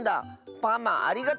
パマありがとう！